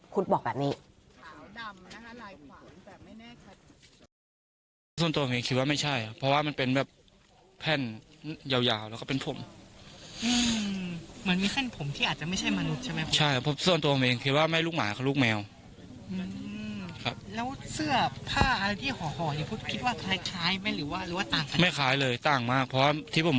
คุณบอกแบบนี้